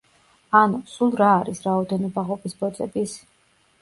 ანუ, სულ რა არის რაოდენობა ღობის ბოძების?